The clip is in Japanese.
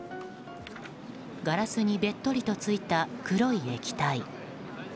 ガラスにべっとりとついた黒い液体。